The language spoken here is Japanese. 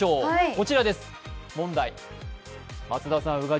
こちらです、問題。